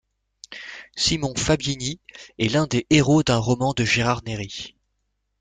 Simon Fabiani est l'un des héros d'un roman de Gérard Néry.